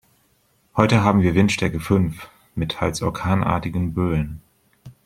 Heute haben wir Windstärke fünf mit teils orkanartigen Böen.